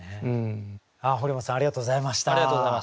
堀本さんありがとうございました。